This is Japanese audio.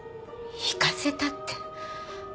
行かせたって。